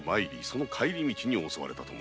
その帰り道に襲われたかと。